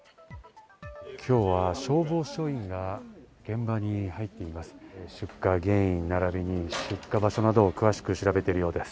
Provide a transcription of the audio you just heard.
今日は消防署員が現場に入っています。